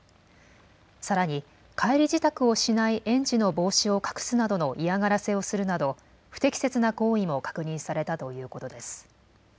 さらに帰り支度をしない園児の帽子を隠すなどの嫌がらせをするなど不適切な行為も確認されたということです。